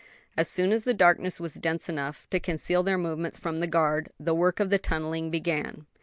As soon as the darkness was dense enough to conceal their movements from the guard, the work of tunneling began.